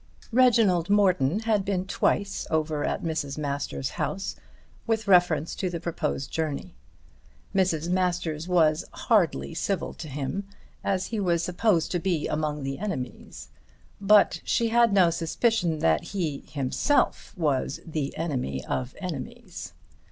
Reginald Morton had been twice over at Mrs. Masters' house with reference to the proposed journey. Mrs. Masters was hardly civil to him, as he was supposed to be among the enemies; but she had no suspicion that he himself was the enemy of enemies.